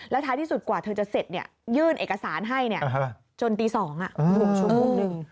ท้ายที่สุดกว่าเธอจะเสร็จยื่นเอกสารให้จนตี๒ชั่วโมงหนึ่ง